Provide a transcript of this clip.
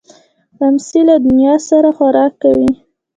لمسی له نیا سره خوراک کوي.